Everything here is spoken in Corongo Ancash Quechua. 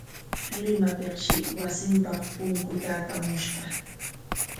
Limapikshi wasinpaq punkuta apamushqa.